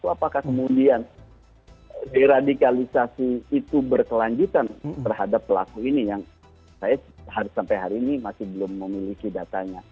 apakah kemudian deradikalisasi itu berkelanjutan terhadap pelaku ini yang saya sampai hari ini masih belum memiliki datanya